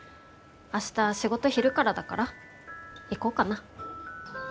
明日仕事昼からだから行こうかな。